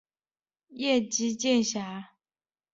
叶基渐狭。